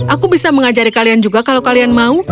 aku bisa mengajari kalian juga kalau kalian mau